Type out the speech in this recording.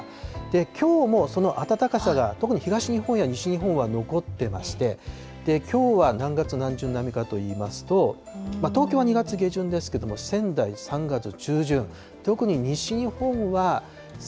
きょうもその暖かさが特に東日本や西日本は残ってまして、きょうは何月何旬並みかといいますと、東京は２月下旬ですけれども、仙台、３月中旬。